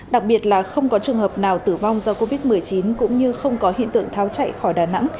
đặc biệt là không có trường hợp nào tử vong do covid một mươi chín cũng như không có hiện tượng tháo chạy khỏi đà nẵng